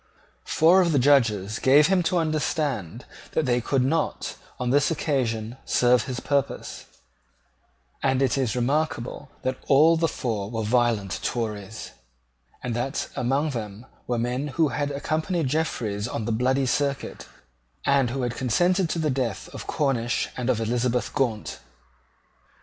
Four of the Judges gave him to understand that they could not, on this occasion, serve his purpose; and it is remarkable that all the four were violent Tories, and that among them were men who had accompanied Jeffreys on the Bloody Circuit, and who had consented to the death of Cornish and of Elizabeth Gaunt.